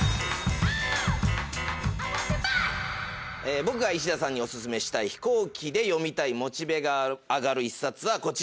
僕がいしださんにお薦めしたい飛行機で読みたいモチベが上がる１冊はこちら。